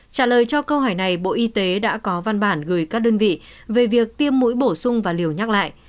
trả lời cho câu hỏi này bộ y tế đã có văn bản gửi các đơn vị về việc tiêm mũi bổ sung và liều nhắc lại